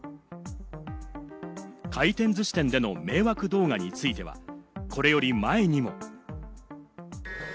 回転ずし店での迷惑動画については、これより前にも。